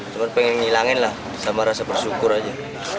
cuma pengen ngilangin lah sama rasa bersyukur aja